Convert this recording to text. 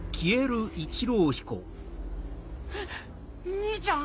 兄ちゃん？